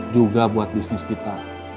juga buat bisnis kita